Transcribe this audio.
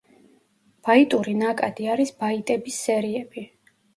ბაიტური ნაკადი არის ბაიტების სერიები.